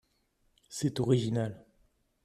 C’est original